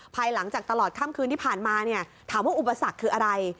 ภายหลังจากตลอดค่ำคืนที่ผ่านมาเนี่ยถามว่าอุปสรรคคืออะไร